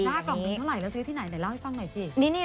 ราก๊อตมาเท่าไหร่แล้วซื้อเท่าไหร่ไหมแล้วเล่าให้พังหน่อย